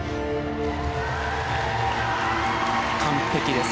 完璧です。